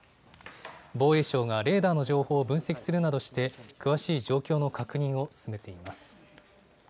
防衛省がレーダーの情報を分析するなどして詳しい状況の確認を進めています。